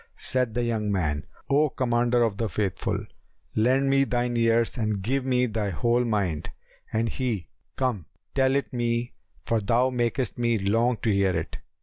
Said the young man, "O Commander of the Faithful, lend me thine ears and give me thy whole mind." And he, "Come; tell it me, for thou makest me long to hear it."